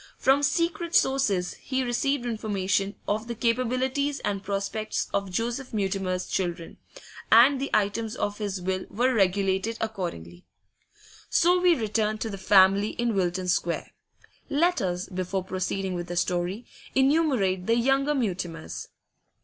From secret sources he received information of the capabilities and prospects of Joseph Mutimer's children, and the items of his will were regulated accordingly. So we return to the family in Wilton Square. Let us, before proceeding with the story, enumerate the younger Mutimers.